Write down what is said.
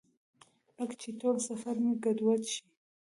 لکه چې ټول سفر مې ګډوډ شي.